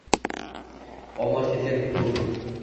Omad ketgan kun bu kun